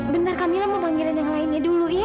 bentar kak mila mau panggil yang lainnya dulu ya